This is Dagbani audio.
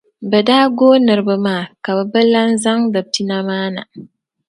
bɛ daa gooi niriba maa ka bɛ bi lan zaŋdi pina maa na.